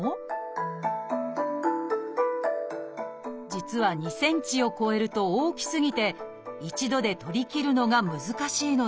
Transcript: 実は２ｃｍを超えると大きすぎて一度で取り切るのが難しいのです